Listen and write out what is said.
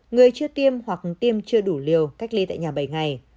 người chưa tiêm hoặc tiêm chưa đủ liều cách ly tại nhà bảy ngày